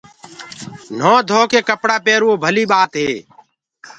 نهونٚ ڌوڪي ڪپڙآ پيروو ڀلي ٻآت هي